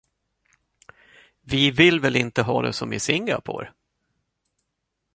Vi vill väl inte ha det som i Singapore?